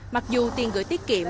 mặc dù tiền gửi tiết kiệm